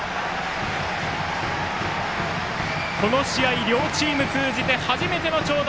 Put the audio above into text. この試合両チーム通じての初めての長打！